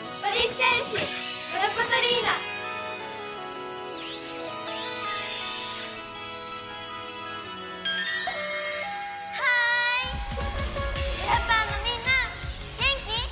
キラパワのみんな元気？